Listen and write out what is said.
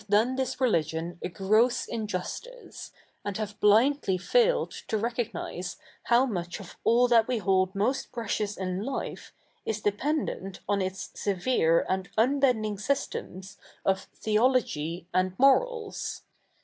ie this religion a gross injustice, and have blindly failed to recognise how much of all that we hold most p7'ecious in life is depen dent on its severe a?id ufibe7iding systems of theology a?id morals.